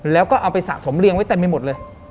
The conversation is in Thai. แล้วก็เอาไปสะสมเรียงไว้เต็มไปหมดเลย